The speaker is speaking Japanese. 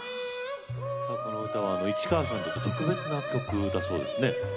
この曲は市川さんにとって特別な曲だそうですね。